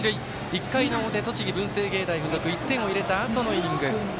１回の表、栃木、文星芸大付属１点を入れたあとのイニング。